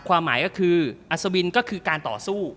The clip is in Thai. ความหมายก็คืออัศวินก็คือการต่อสู้